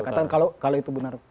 katakan kalau itu benar